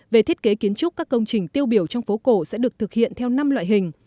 về thiết kế kiến trúc các công trình tiêu biểu trong phố cổ sẽ được thực hiện theo năm loại hình